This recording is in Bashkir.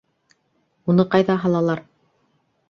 Уны ҡайҙа һалалар?